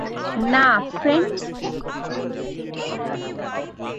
না, ফ্রেড।